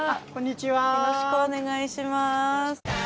よろしくお願いします。